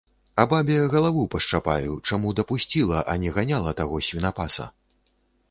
А бабе галаву пашчапаю, чаму дапусціла, а не ганяла таго свінапаса.